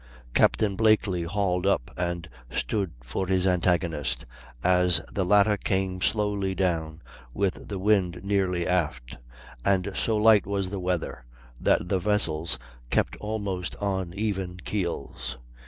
Captain Blakely hauled up and stood for his antagonist, as the latter came slowly down with the wind nearly aft, and so light was the weather that the vessels kept almost on even keels.